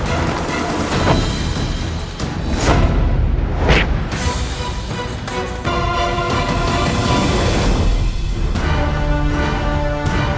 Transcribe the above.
aku akan menangkapmu